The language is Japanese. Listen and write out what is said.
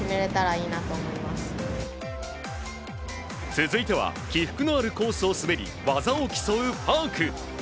続いては起伏のあるコースを滑り技を競うパーク。